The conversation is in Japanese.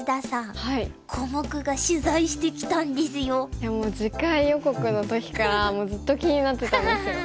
いやもう次回予告の時からずっと気になってたんですよ。